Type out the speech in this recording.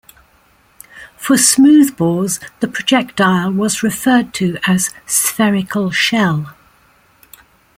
For smoothbores, the projectile was referred to as "spherical shell".